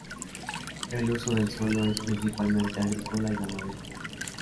El uso del suelo es principalmente, agrícola y ganadero.